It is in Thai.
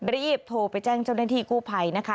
รีบโทรไปแจ้งเจ้าหน้าที่กู้ภัยนะคะ